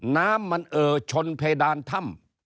น้ำมันเอ่อชนเพดานถ้ำ